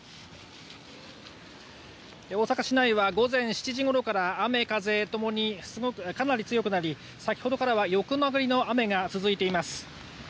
大阪市内は午前７時ごろから雨風ともにかなり強くなり先ほどからは横殴りの雨が続いています。